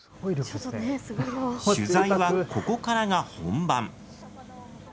取材はここからが本番。